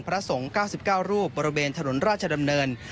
พระสงฆ์๙๙รูปบริเวณถนนราชดำเนิน